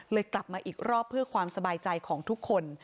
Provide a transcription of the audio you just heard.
กลับมาอีกรอบเพื่อความสบายใจของทุกคน